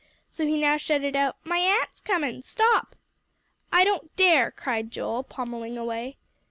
So he now shouted out, "My a'nt's comin'. Stop!" "I don't care," cried Joel, pommelling away.